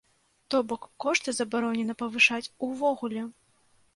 То бок, кошты забаронена павышаць увогуле!